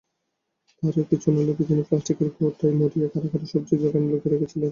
তারই কিছু অনুলিপি তিনি প্লাস্টিকের কৌটায় মুড়িয়ে কারাগারের সবজির বাগানে লুকিয়ে রেখেছিলেন।